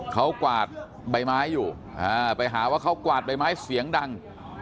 เขากวาดใบไม้อยู่ไปหาว่าเขากวาดใบไม้เสียงดัง